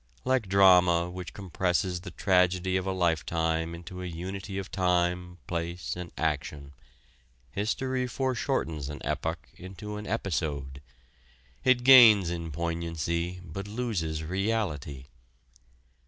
Like drama which compresses the tragedy of a lifetime into a unity of time, place, and action, history foreshortens an epoch into an episode. It gains in poignancy, but loses reality.